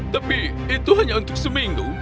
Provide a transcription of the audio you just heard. tapi itu hanya untuk seminggu